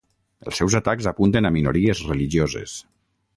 Els seus atacs apunten a minories religioses.